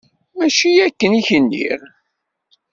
Mačči akken i k-nniɣ?